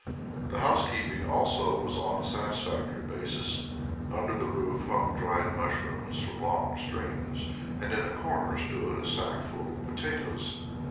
The housekeeping also was on a satisfactory basis. Under the roof hung dried mushrooms from long strings and in a corner stood a sack full of potatoes.